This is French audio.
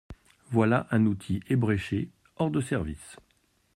Voilà un outil ébréché, hors de service !…